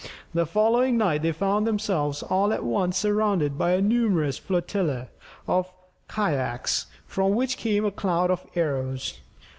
The following night they found themselves all at once surrounded by a numerous flotilla of Kayacs, from which came a cloud of arrows.